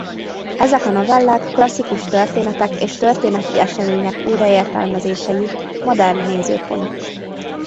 Ezek a novellák klasszikus történetek és történeti események újraértelmezései modern nézőpontból.